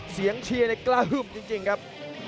เสียงเชียร์ในกระฮึ่มจริงครับ